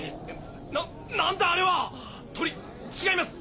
な何だあれは⁉鳥違います